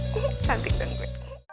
kuhh santik dong gue